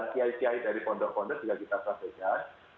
sia siai dari pondok pondok juga kita sampaikan